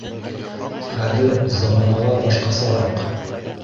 Хәҙер заманалар башҡасараҡ